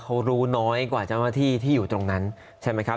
เขารู้น้อยกว่าที่อยู่ตรงนั้นใช่ไหมครับ